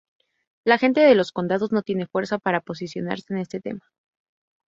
La gente de los condados no tiene fuerzas para posicionarse en este tema.